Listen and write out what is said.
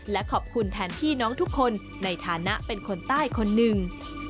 และขอบคุณแทนพี่น้องทุกคนในฐานะเป็นคนใต้คนหนึ่ง